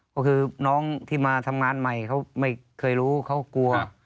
ก็คือน้องที่มาทำงานใหม่เขาไม่เคยรู้เขากลัว